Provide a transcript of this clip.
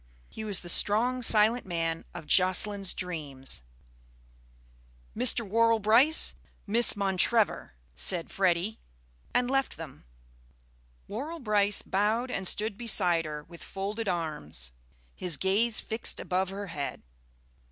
He was the strong, silent man of Jocelyn's dreams. "Mr. Worrall Brice, Miss Montrevor," said Freddy, and left them. Worrall Brice bowed and stood beside her with folded arms, his gaze fixed above her head.